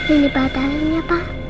ini badannya pa